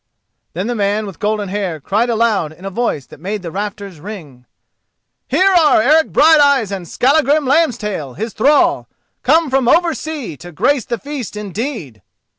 Then the man with golden hair cried aloud in a voice that made the rafters ring: "Here are Eric Brighteyes and Skallagrim Lambstail, his thrall, come from over sea to grace the feast, indeed!"